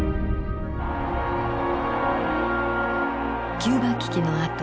キューバ危機のあと